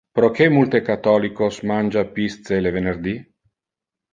Proque multe catholicos mangia pisce le venerdi?